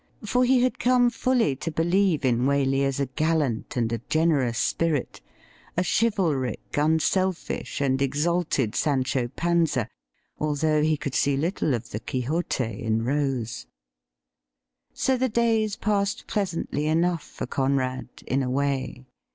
For he had come fully to believe in Waley as a gallant and a generous spirit, a chivalric, unselfish, and exalted Sancho Panza, although he could see little of the Quixote in Rose. So the days passed pleasantly enough for Conrad — in a way.